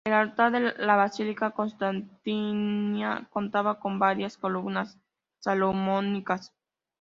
El altar de la basílica constantiniana contaba con varias columnas salomónicas.